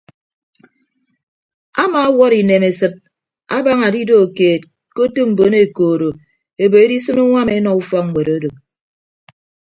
Amaawʌt inemesịt abaña adido keet ke otu mbon ekoodo ebo edisịn uñwam enọ ufọkñwet odo.